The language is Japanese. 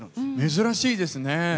珍しいですね。